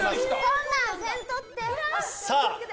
そんなん、せんとって。